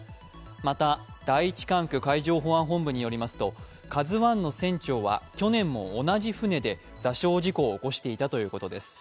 また、第一管区海上保安本部によりますと「ＫＡＺＵⅠ」の船長は去年も同じ船で座礁事故を起こしていたということです。